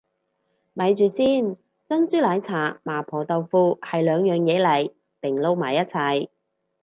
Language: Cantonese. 咪住先，珍珠奶茶麻婆豆腐係兩樣嘢嚟定撈埋一齊